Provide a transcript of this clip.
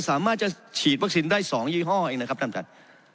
สามารถจะฉีดวัคซีนได้๒ยี่ห้อเองนะครับท่านท่าน